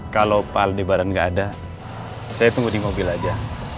kalau pak aldai barang gak ada saya tunggu di mobil aja